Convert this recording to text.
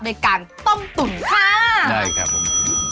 ด้วยการต้มตุ่นค่ะได้ครับคุณ